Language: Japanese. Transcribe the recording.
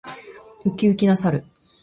ウキウキな猿。